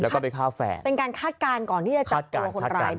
แล้วก็ไปฆ่าแฟนเป็นการคาดการณ์ก่อนที่จะจับตัวคนร้ายได้